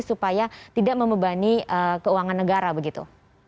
supaya tidak membebani keuangan negara begitu